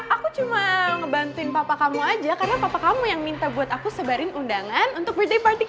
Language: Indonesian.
aku cuma ngebantuin papa kamu aja karena papa kamu yang minta buat aku sebarin undangan untuk good day partik